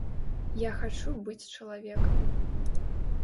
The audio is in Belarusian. Я хачу быць чалавекам.